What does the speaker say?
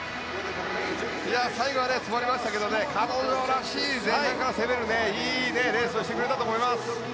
最後は詰まりましたけど彼女らしい前半から攻めるいいレースをしてくれたと思います。